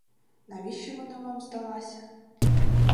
Навіщо вона вам здалася?